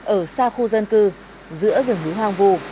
ở xa khu dân cư giữa rừng núi hoang vù